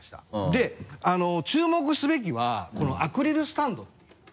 で注目すべきはこのアクリルスタンド。